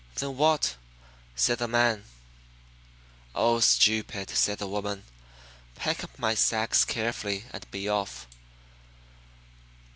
"'Then what?' said the man. "'Oh, stupid!' said the woman. 'Pick up my sacks carefully and be off."